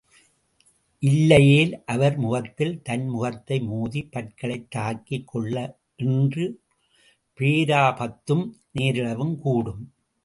இல்லையேல் அவர் முகத்தில் தன் முகத்தை மோதி, பற்களைத் தாக்கிக் கொள்ள என்று பேராபத்தும் நேரிடவும் கூடும்.